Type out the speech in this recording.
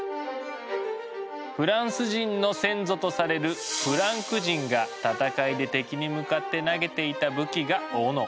フランス人の先祖とされるフランク人が戦いで敵に向かって投げていた武器が「オノ」。